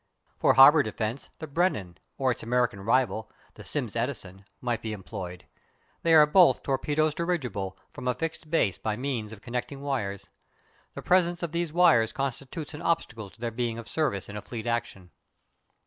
For harbour defence the Brennan or its American rival, the Sims Edison, might be employed. They are both torpedoes dirigible from a fixed base by means of connecting wires. The presence of these wires constitutes an obstacle to their being of service in a fleet action.